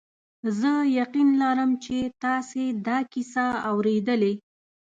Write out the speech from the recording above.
زه یقین لرم چې تاسي دا کیسه اورېدلې.